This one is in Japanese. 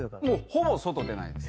ほぼ外出ないです。